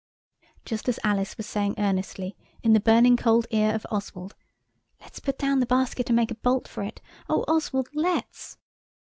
Just as Alice was saying earnestly in the burning cold ear of Oswald, "Let's put down the basket and make a bolt for it. Oh, Oswald, let's!"